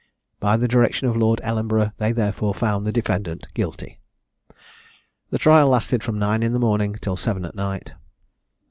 By the direction of Lord Ellenborough they therefore found the defendant "Guilty." The trial lasted from nine in the morning till seven at night.